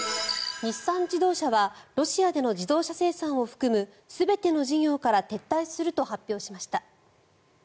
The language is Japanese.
日産自動車はロシアでの自動車生産を含む全ての事業から撤退すると発表しました。